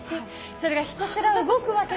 それがひたすら動くわけですよ。